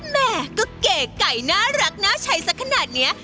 แม่ก็เก๋ไก่น่ารักน่าใช้สักขนาดนี้